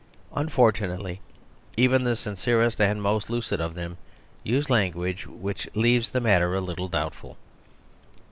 Unfortunately even the sincerest and most lucid of them use language which leaves the matter a little doubtful.